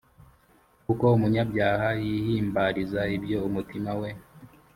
kuko umunyabyaha yihimbariza ibyo umutima we